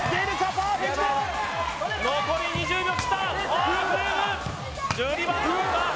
パーフェクト残り２０秒切ったフレーム１２番どうか？